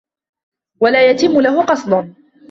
وَلَا يَتِمُّ لَهُ قَصْدٌ